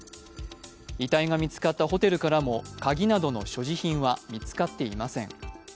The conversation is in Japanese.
遺体が見つかったホテルからも鍵などの所持品は見つかっていません。